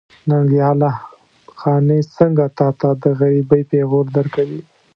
ننګياله! قانع څنګه تاته د غريبۍ پېغور درکوي.